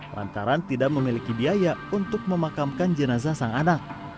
lantaran tidak memiliki biaya untuk memakamkan jenazah sang anak